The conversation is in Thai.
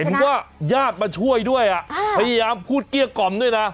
ว่าญาติมาช่วยด้วยพยายามพูดเกลี้ยกล่อมด้วยนะ